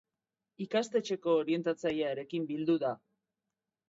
Ikastetxeko orientatzailearekin bildu da.